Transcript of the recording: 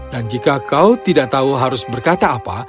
dan jika kau tidak tahu harus berkata apa